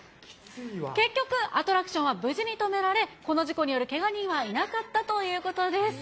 結局アトラクションは無事に止められ、この事故によるけが人はいなかったということです。